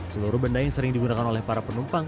seluruh benda yang sering digunakan oleh para penumpang